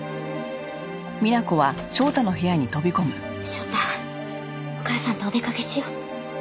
翔太お母さんとお出かけしよ？